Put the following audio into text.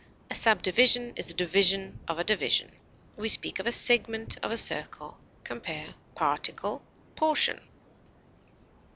A subdivision is a division of a division. We speak of a segment of a circle. Compare PARTICLE; PORTION.